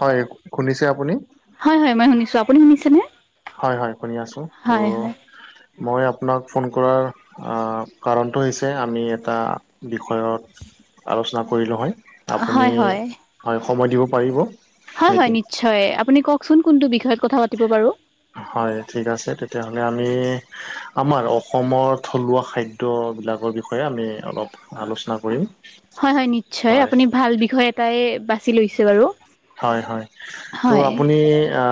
হয়, শুনিছে আপুনি? হয় হয় মই শুনিছো। আপুনি শুনিছেনে? হয় হয় শুনি আছো ত' হয় হয় মই আপোনাক ফোন কৰাৰ কাৰণটো হৈছে আমি এটা বিষয়ত আলোচনা কৰিলো হয়, আপুনি হয় হয় হয় সময় দিব পাৰিব? হয় হয় নেকি নিশ্চয়। আপুনি কওকচোন কোনটো বিষয়ত কথা পাতিব বাৰু? হয় ঠিক আছে তেতিয়াহ'লে। আমি আমাৰ অসমৰ থলুৱা খা দ্য বিলাকৰ বিষয়ে আমি অলপ আলোচনা কৰিম হয় হয় নিশ্চয়। হয় আপুনি ভাল বিষয় এটাই বাছি লৈছে বাৰু। হয় হয়। ত' হয় আপুনি আ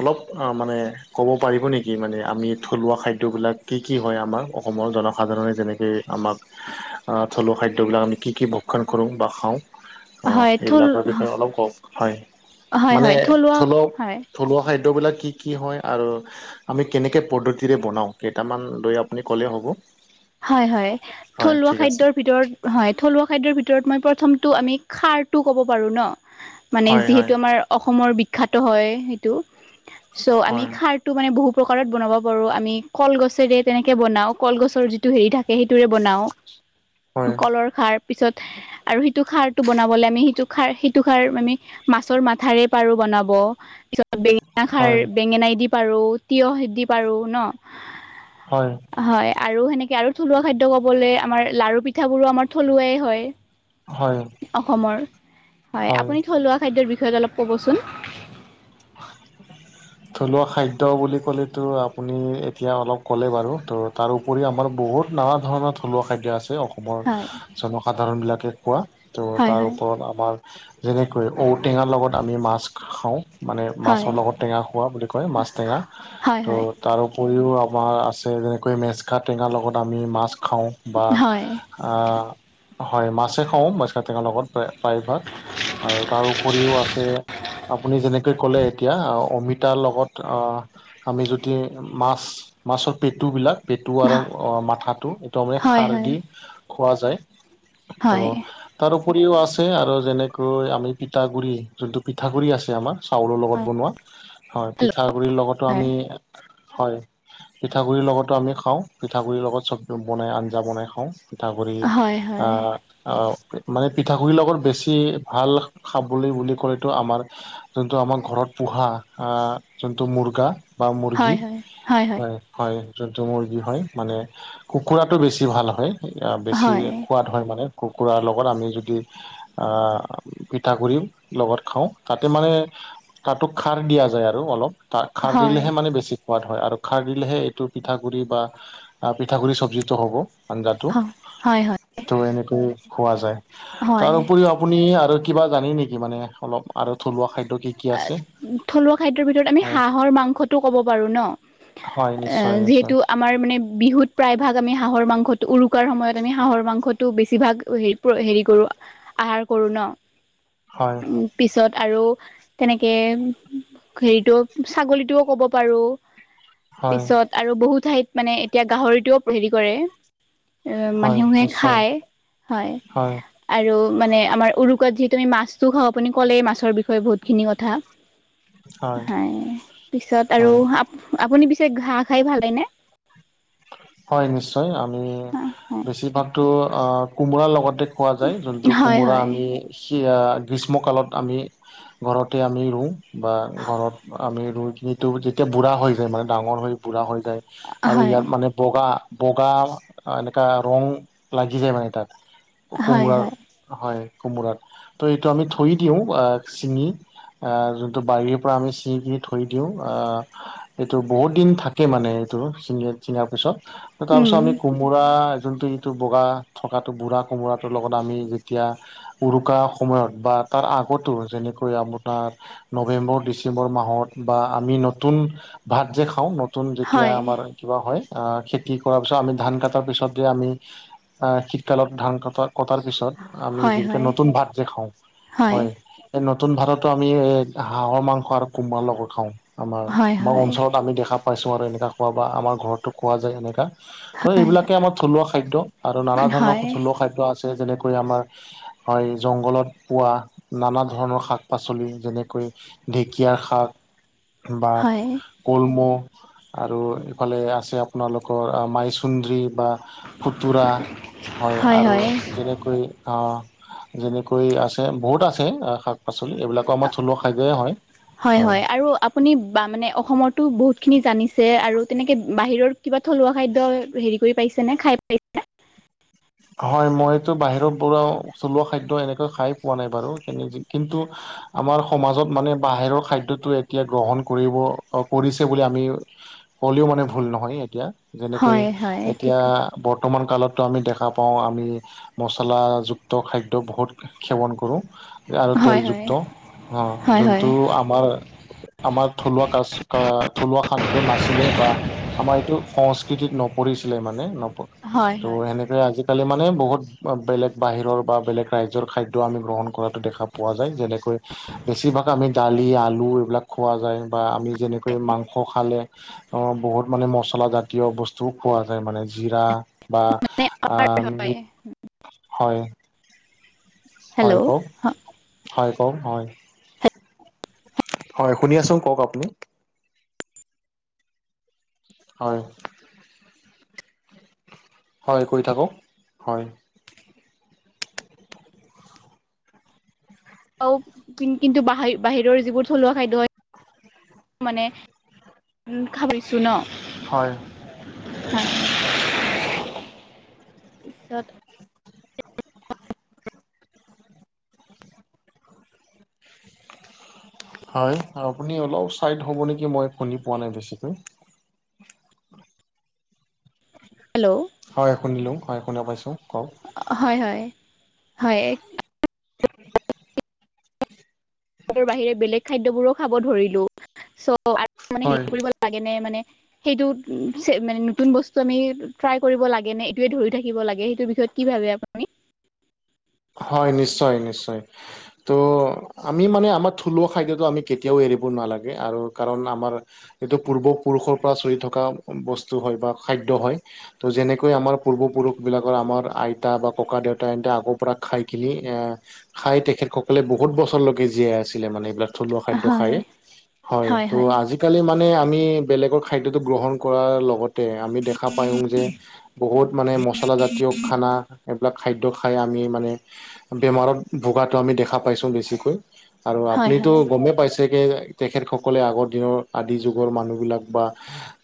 অলপ মানে ক'ব পাৰিব নেকি মানে আমি থলুৱা খাদ্য বিলাক কি কি হয় আমাৰ? অসমৰ জনসাধাৰণে যেনেকৈ আমাক থলুৱা খাদ্যবিলাক আমি কি কি ভক্ষণ কৰোঁ বা খাওঁ অ হয় থল এইবিলাকৰ বিষয়ে অলপ কওক হয় হয় মানে হয় থলুৱা ধৰি লওঁক হয় থলুৱা খাদ্যবিলাক কি কি হয় আৰু আমি কেনেকে পদ্ধতিৰে বনাও কেইটামান লৈ আপুনি ক'লে হ'ব হয় হয় হয় থলুৱা ঠিক আছে খাদ্যৰ ভিতৰত। হয় থলুৱা খাদ্যৰ ভিতৰত মই প্ৰথমটো আমি খাৰটো ক'ব পাৰোঁ ন মানে হয় হয় যিহেতু আমাৰ অসমৰ বিখ্যাত হয় সেইটো চ' আমি হয় খাৰ টো মানে বহু প্ৰকাৰত বনাব পাৰো আমি কলগছেৰে তেনেকে বনাও কলগছৰ যি টো হেৰি থাকে সেইটোৰে বনাও হয় কলৰ খাৰ পিছত আৰু সিটো খাৰটো বনাবলৈ আমি সিটো খাৰ সিটো খাৰ আমি মাছৰ মাথাৰে পাৰোঁ বনাব, পিছত বেঙেনাষাৰ হয় বেঙেনাই দি পাৰো তিয়হ দি পাৰো ন হয় হয় আৰু সেনেকে আৰু থলুৱা খাদ্য কবলৈ আমাৰ লাড়ু পিঠাবোৰো আমাৰ থলুৱাই হয় হয় অসমৰ হয় আপুনি থলুৱা খাদ্যৰ বিষয়ত অলপ ক'বচোন [unintelligible] থলুৱা খাদ্য বুলি ক'লেতো আপুনি এতিয়া অলপ ক'লে বাৰু ত' তাৰ উপৰি আমাৰ বহুত নানা ধৰণৰ থলুৱা খাদ্য আছে অসমৰ হয় জনসাধাৰণবিলাকে কোৱা ত' হয় তাৰ হয় ওপৰত আমাৰ যেনেকৈ ঔটেঙাৰ লগত আমি মাছ খাওঁ মানে মাছৰ হয় লগত টেঙা খোৱা বুলি কয় মাছ টেঙা হয় হয় ত' তাৰো উপৰিও আমাৰ আছে যেনেকৈ মেচকা টেঙাৰ লগত আমি মাছ খাওঁ বা হয় হয় মাছেই খাওঁ মেছকাটেঙাৰ লগত প্ৰায় ভাগ তাৰউপৰিও আছে আপুনি ক'লে এতিয়া অমিতাৰ লগত আমি যদি মাছ মাছৰ পেটুবিলাক পেটু আৰু মাথাটো একদমেই হয় খাৰ হয় দি খোৱা যায়। তো হয় তাৰ উপৰিও আছে আৰু যেনেকৈ আমি পিঠাগুৰি যোনটো পিঠাগুৰি আছে আমাৰ চাউলৰ লগত হয় বনোৱা হয় হেল্ল' পিঠাগুৰিৰ লগতো আমি হয় পিঠাগুড়িৰ লগতো আমি খাওঁ পিঠাগুড়িৰ লগত চব বনাই আঞ্জা বনাই খাওঁ পিঠাগুড়ি হয় অ হয় আহ মানে পিঠাগুৰি লগত বেছি ভাল খাবলৈ বুলি কলেটো আমাৰ যোনটো আমাৰ ঘৰত পোহা যোনটো মুৰ্গা বা মুৰ্গী হয় হয় যোনটো মুৰ্গী হয় মানে কুকুৰাটো বেছি ভাল হয় হয় বেছি হয় হয় সোৱাদ হয় মানে কুকুৰাৰ লগত আমি যদি পিঠাগুড়ি লগত খাওঁ তাতে মানে তাতো খাৰ দিয়া যায় আৰু অলপ ত খাৰ হয় দিলেহে মানে বেছি সোৱাদ হয় আৰু খাৰ দিলেহে এইটো পিঠাগুড়ি বা পিঠাগুড়ি চব্জিটো হ'ব। আঞ্জাটো হয় হয় ত এনেকৈ খোৱা যায় তাৰ হয় উপৰিও আপুনি আৰু কিবা জানে নেকি মানে অলপ আৰু থলুৱা খাদ্য কি কি আছে থলুৱা খাদ্যৰ ভিতৰত আমি হয় হাঁহৰ মাংসটো ক'ব পাৰো ন। হয় অ নিশ্চয় নিশ্চয় যিহেতু আমাৰ মানে। বিহুত প্ৰায়ভাগ আমি হাঁহৰ মাংসটো উৰুকাৰ সময়ত আমি হাঁহৰ মাংসটো বেছিভাগ হেৰি কৰোঁ। আহাৰ কৰো ন। হয়। পিছত আৰু- তেনেকে হেৰিটো ছাগলী টোও ক'ব পাৰো, হয় পিছত- আৰু বহু ঠাইত মানে এতিয়া গাহৰিটোও হেৰি কৰে। অ', হয় মানুহে নিশ্চয় খায় হয়। আৰু মানে আমাৰ উৰুকাত যিহেতু আমি মাছটো খাওঁ আপুনি ক'লেই মাছৰ বিষয়ে বহুত- খিনি কথা পিছত হয়। পিছত হয় আৰু- আপুনি পিছে হাঁহ খাই ভালে নে? হয় নিশ্চয়। আমি বেছিভাগতো কোমোৰাৰ লগতে- খোৱা যায়, যোনটো হয় কোমোৰা হয় আমি- গ্ৰীষ্মকালত আমি ঘৰতে আমি ৰুওঁ। বা ঘৰত আমি ৰুই কিনিতো যেতিয়া বুঢ়া হৈ যায় মানে ডাঙৰ হৈ বুঢ়া হৈ- যায় আৰু হয় ইয়াত মানে- বগা-বগা এনেকা ৰং লাগি যায় মানে তা'ত হয় কোমোৰাৰ- হয় হয়, কোমোৰতো ত' এইটো আমি থৈ দিওঁ আঁহ চিঙি। আঁহ', যোনটো বাৰীৰ পৰা আমি চিঙি থৈ দিওঁ, আঁহ- এইটো বহুত দিন থাকে মানে এইটো- উম তাৰপিছত-তাৰপিছত আমি কোমোৰা যোনটো যিটো বগা- থকাটো বুঢ়া কোমোৰাটোৰ লগত আমি যেতিয়া- উৰুকা সময়ত বা তাৰ আগতো যেনেকৈ আপোনাৰ- নৱেম্বৰ, ডিচেম্বৰ মাহত বা আমি নতুন ভাত যে খাওঁ- নতুন যেতিয়া হয় আমাৰ কিবা হয় খেতি কৰাৰ পিছত আমি ধান কটাৰ পিছত যে আমি- আহ শীতকালত ধান কটা-কটাৰ পিছত আমি হয় যেনেকে হয় নতুন ভাত যে খাওঁ হয়। এই নতুন ভাতটো আমি এ হাঁহৰ মাংস আৰু কোমোৰা লগত খাওঁ। হয় হয় হয় আমাৰ-আমাৰ অঞ্চলত আমি দেখা পাইছোঁ আৰু এনেকুৱা খোৱা-বোৱা, আমাৰ ঘৰতো খোৱা যায় এনেকুৱা। ত' হয় এইবিলাকে আমাৰ থলুৱা খাদ্য, আৰু নানা ধৰণৰ হয় থলুৱা খাদ্য আছে যেনেকৈ আমাৰ- হয়, জংঘলত পোৱা নানা ধৰণৰ শাক-পাচলি যেনেকৈ- ঢেকীয়া শাক বা কল্মৌ আৰু এইফালে আছে- আপোনালোকৰ মাইচুন্দ্ৰী বা- খুতুৰা হয়, আৰু যেনেকৈ- যেনেকৈ আছে, বহুত আছে, শাক-পাচলি এইবিলাকো আমাৰ থলুৱা খাদ্যয় হয়। হয়। হয়-হয়, আৰু আপুনি বা মানে অসমৰতো বহুতখিনি জানিছে আৰু তেনেকে বাহিৰৰ- কিবা থলুৱা খাদ্য হেৰি কৰি পাইছে নে খাই পাইছে নে? হয়, মইতো বাহিৰৰ পৰাও থলুৱা খাদ্য এনেকৈ খাই পোৱা নাই বাৰু কিন্তু- আমাৰ সমাজত মানে বাহিৰৰ খাদ্যটো এতিয়া গ্ৰহণ কৰিব কৰিছে বুলি আমি- ক'লেও মানে ভুল নহয় এতিয়া, যেনেকৈ হয় হয় ঠিক এতিয়া বৰ্তমান কালতো আমি দেখ- তো নাপাওঁ আমি মচলাযুক্ত খাদ্য বহুত সেৱন কৰোঁ- আৰু হয় হয় তেলযুক্ত। অঁ', হয় হয় যোনটো আমাৰ- আমাৰ থলুৱা কাজ থলুৱা খাদ্য নাছিলে বা- আমাৰ এইটো সংস্কৃতিত নপৰিছিলে মানে, নপ হয় হয় [unintelligible] -ৰে আজিকালি মানে বহুত বেলেগ বাহিৰৰ বা বেলেগ ৰাজ্যৰ খাদ্যও আমি গ্ৰহণ কৰা দেখা পাওঁ। পোৱা যায় যেনেকৈ বেছিভাগ আমি দালি, আলু এইবিলাক খোৱা যায় বা আমি- যেনেকৈ মাংস খালে- বহুত মানে মচলাজাতীয় বস্তুও খোৱা যায় মানে জিৰা বা মানে আ আমাৰ হয় মিট হয় হয় হেল্ল' কওক হয় কওক হয় হয় শুনি আছো কওক আপুনি হয় হয় কয় থাকক হয় কিন্তু বাহিৰ বাহিৰৰ যিবোৰ থলুৱা খাদ্য হয় মানে দেখা পাইছোঁ ন, হয় হয় পিছত হয় আপুনি অলপ চাইড হব নেকি মই শুনি পোৱা নাই বেছিকৈ হেল্ল' হয় শুনিলো হয় শুনা পাইছো কওক হয় হয় হয় বাহিৰে বেলেগ খাদ্য বোৰো খাব ধৰিলো চ' আৰু মানে হয় হেৰি কৰিব লাগে নে মানে সেইটোত মানে নতুন বস্তু আমি ট্ৰাই কৰিব লাগে নে এইটোৱে ধৰি থাকিব লাগে সেইটোৰ বিষয়ত কি ভাবে আপুনি হয় নিশ্চয় নিশ্চয় ত' আমি মানে আমাৰ থলুৱা খাদ্যটো আমি কেতিয়াও এৰিব নালাগে আৰু কাৰণ আমাৰ এইটো পূৰ্বপুৰুষৰ পৰা চলি থকা বস্তু হয় বা খাদ্য হয় ত' যেনেকৈ আমাৰ পূৰ্বপুৰুষ বিলাকৰ আমাৰ আইতা বা ককাদেউতা ইহঁতে আগৰ পৰা খাই কিনি এ খাই তেখেতসকলে বহুত বছৰলৈকে জীয়াই আছিলে মানে এইবিলাক থলুৱা খাদ্য হয় খায়ে হয় ত' আজি আজিকালি মানে আমি বেলেগৰ খাদ্যটো গ্ৰহণ কৰাৰ লগত -তে আমি দেখা পাও যে বহুত মানে মচলা জাতীয় খানা এইবিলাক খাদ্য খাই আমি মানে বেমাৰত ভোগাটো আমি দেখা পাইছো বেছিকৈ আৰু হয় আপুনিতো হয় গমেই পাইছে [unintelligible] তেখেতসকলে আগৰ দিনৰ আদি যুগৰ মানুহবিলাক বা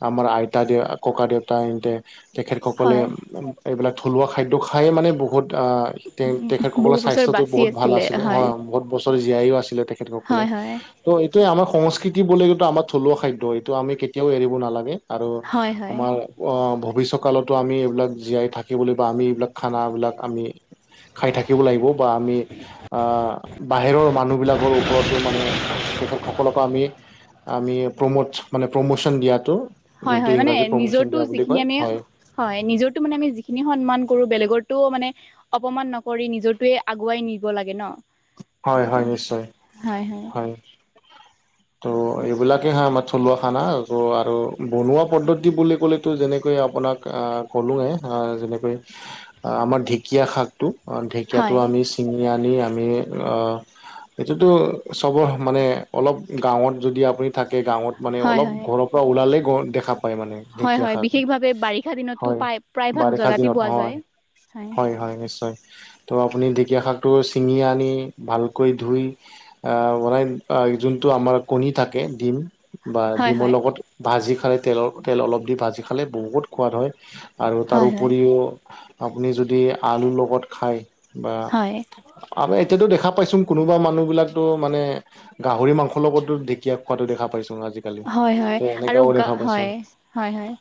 আমাৰ আইতা দে ককা দেউতা ইহঁতে তেখেতসকলে হয় এইবিলাক থলুৱা খাদ্য খায়ে মানে বহুত আহ তে তেখেতসকলৰ বহু বছৰ স্বাস্থ্যটো বাচি বহুত ভাল আছিলে হয় বহুত বছৰ জীয়াইয়ো আছিলে তেখেতসকলে হয় হয় ত' এইটোয়ে আমাৰ সংস্কৃতি বুলি এইটো আমাৰ থলুৱা খাদ্য এইটো আমি কেতিয়াও এৰিব নালাগে আৰু হয় হয় আমাৰ ভৱিষ্যকালতো আমি এইবিলাক জীয়াই থাকিবলৈ বা আমি এইবিলাক খানাবিলাক আমি খাই থাকিব লাগিব বা আমি আহ বাহিৰৰ মানুহ বিলাকৰ ওপৰতো মানে তেখেত সকলকো আমি আমি প্ৰমোট মানে প্ৰমোচন দিয়াটো হয় যোনটো হয় মানে ইংৰাজী প্ৰমোচন নিজৰটো দিয়া বুলি যিখিনি কয় আমি হয় হয় নিজটো মানে আমি যিখিনি সন্মান কৰো বেলেগতো মানে অপমান নকৰি নিজটোৱে আগুৱাই নিব লাগে ন হয় হয় নিশ্চয় তেনেকৈ হয় হয়। ত' এইবিলাকে হয়ে আমাৰ থলুৱা খানা ত' আৰু বনোৱা পদ্ধতি বুলি ক'লেতো যেনেকৈ আপোনাক কলোৱে যেনেকৈ আমাৰ ঢেকীয়া শাকটো ঢেকীয়াটো হয় আমি চিঙি আনি আমি এইটোতো চব মানে অলপ গাঁৱত যদি আপুনি থাকে গাঁৱত মানে হয় অলপ হয় ঘৰৰ পৰা ওলালেই গ দেখা প পায় মানে হয় ঢেকীয়া হয় শাক বিশেষভাৱে বাৰিষা দিনততো হয় প্ৰায় প্ৰায়ভাগ বাৰিষা জেগাতে দিনত পোৱা হয়। যায় হয় হয় নিশ্চয়। তো আপুনি ঢেঁকীয়া শাকটো ছিঙি আনি ভালকৈ ধুই বনাই যোন টো আমাৰ কণী থাকে ডিম বা হয় ডিমৰ হয় লগত ভাজি খালে তেলৰ তেল অলপ দি ভাজি খালে বহুত সোৱাদ হয় আৰু তাৰ হয় উপৰিও আপুনি যদি আলুৰ লগত খায় বা হয় হয় আমি এতিয়াতো দেখা পাইছোঁ কোনোবা মানুহ বিলাকো মানে গাহৰি মাংস ঢেঁকীয়া খোৱাতো দেখা পাইছোং আজিকালি হয় ত হয় আৰু এনেকাও গা দেখা পাইছো। হয়, হয়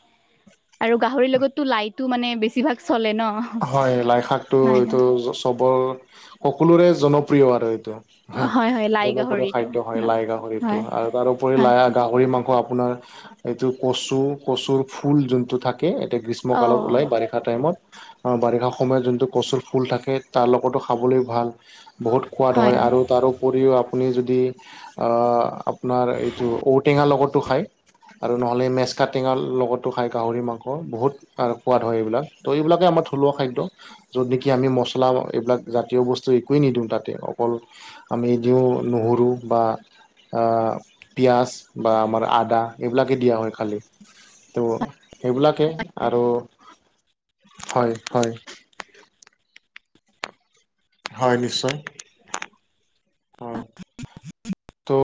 আৰু গাহৰি লগতটো লাইটো মানে বেছিভাগ চলে ন। হয় লাই শাক টো হয় এইটো হয় চবৰ সকলোৰে জনপ্ৰিয় আৰু এইটো। হয় হয় লাই জনপ্ৰিয় গাহৰিটো খাদ্য হয় ন লাই গাহৰিতটো হয় আৰু তাৰোপৰি হয় লাই গাহৰি মাংস আপোনাৰ এইটো কচু কচুৰ ফুল যোনটো থাকে এয়া গ্ৰীষ্ম অঁ কালত ওলাই বাৰি টা টাইমত বাৰিষা সময়ত যোনটো কচুৰ ফুল থাকে তাৰ লগতো খাবলৈ ভাল। বহুত সোৱাদ হয় আৰু তাৰপৰিও আপুনি যদি আপোনাৰ এইটো ঔটেঙা লগতো খায় আৰু নহ'লে মেজকা টেঙাৰ লগতো খাই গাহৰি মাংস বহুত আৰু খোৱা ধ হয় এইবিলাক ত এইবিলাকে আমাৰ থলুৱা খাদ্য য'ত নেকি আমি মছলা এইবিলাক জাতীয় বস্তু একোৱেই নিদিওঁ তাতে অকল আমি ইদিও নুহৰোঁ বা পিঁয়াজ বা আমাৰ আদা এইবিলাকেই দিয়া হয় খালী ত' সেইবিলাকে আৰু হয়, হয়। হয় নিশ্চয়। হয় ত'